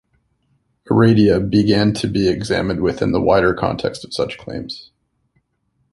"Aradia" began to be examined within the wider context of such claims.